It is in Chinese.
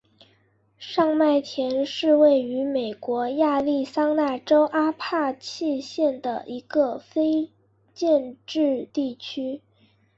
上麦田是位于美国亚利桑那州阿帕契县的一个非建制地区。